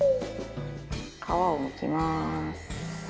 皮をむきます。